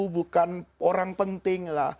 bukan orang penting